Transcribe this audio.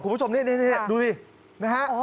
คุณผู้ชมนี่ดูดินะฮะ